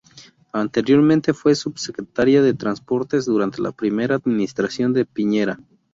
Anteriormente fue subsecretaria de Transportes durante la primera administración de Piñera.